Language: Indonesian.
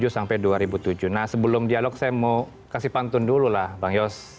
seribu sembilan ratus sembilan puluh tujuh sampai dua ribu tujuh nah sebelum dialog saya mau kasih pantun dulu lah bang yos